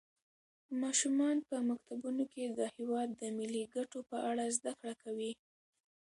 ماشومان په مکتبونو کې د هېواد د ملي ګټو په اړه زده کړه کوي.